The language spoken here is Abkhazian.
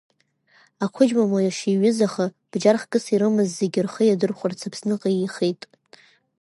Ақәыџьма млашь иаҩызаха, бџьар хкыс ирымаз зегьы рхы иадырхәарц Аԥсныҟа еихеит.